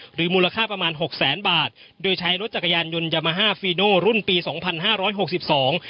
มูลค่าประมาณหกแสนบาทโดยใช้รถจักรยานยนต์ยามาฮาฟีโน่รุ่นปีสองพันห้าร้อยหกสิบสอง